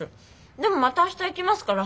でもまた明日行きますから。